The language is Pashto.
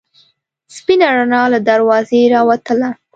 سپینه رڼا له دروازې راوتله.